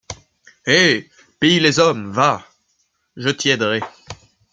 Hé! pille les hommes... va, je t’y aiderai.